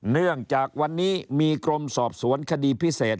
เนื่องจากวันนี้มีกรมสอบสวนคดีพิเศษ